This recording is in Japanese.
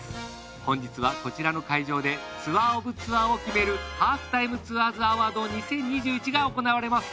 本日はこちらの会場でツアーオブツアーを決める『ハーフタイムツアーズ』アワード２０２１が行われます。